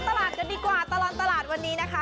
ตลาดกันดีกว่าตลอดตลาดวันนี้นะคะ